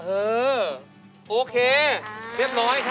เออโอเคเรียบร้อยค่ะ